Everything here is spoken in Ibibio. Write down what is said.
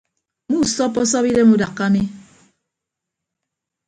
Muusọppọsọp idem udakka ke mmi.